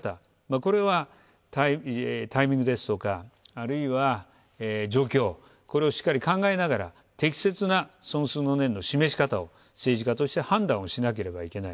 これはタイミングですとかあるいは、状況、これをしっかり考えながら適切な尊崇の念の示し方を政治家として判断をしなければならない。